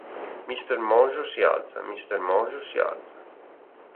Mr. Mojo si alza, Mr. Mojo si alza.